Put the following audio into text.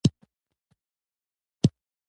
جرات مې زیاتوي دومره په ځان یمه پوه شوی.